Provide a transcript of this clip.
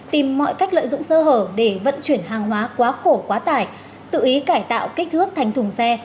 tìm mọi cách lợi dụng sơ hở để vận chuyển hàng hóa quá khổ quá tải tự ý cải tạo kích thước thành thùng xe